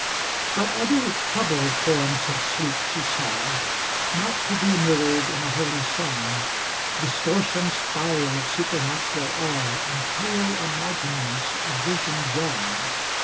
LXII But other troubled forms of sleep she saw, Not to be mirrored in a holy song; Distortions foul of supernatural awe, And pale imaginings of visioned wrong.